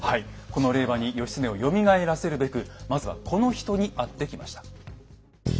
この令和に義経をよみがえらせるべくまずはこの人に会ってきました。